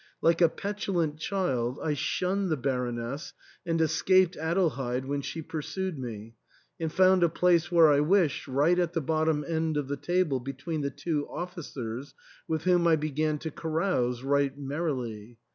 Like a petulant child, I shunned the Baroness and escaped Adelheid when she pursued me, and found a place where I wished, right at the bottom end of the table between the two officers, with whom I began to carouse right merrily.